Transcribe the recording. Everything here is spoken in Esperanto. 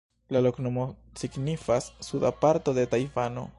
La loknomo signifas: "suda parto de Tajvano".